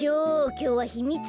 きょうはひみつ